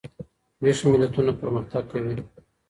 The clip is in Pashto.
ویښ ملتونه پرمختګ کوي.